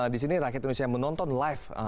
di sini rakyat indonesia yang menonton live